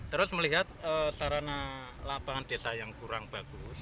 terus melihat sarana lapangan desa yang kurang bagus